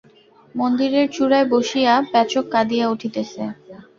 মন্দিরের চূড়ায় বসিয়া পেচক কাঁদিয়া উঠিতেছে।